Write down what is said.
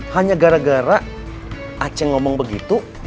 hanya gara gara aceh ngomong begitu